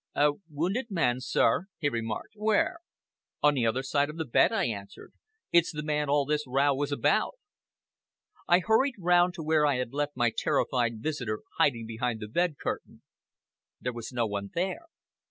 "A wounded man, sir?" he remarked. "Where?" "On the other side of the bed," I answered. "It's the man all this row was about." I hurried round to where I had left my terrified visitor hiding behind the bed curtain. There was no one there.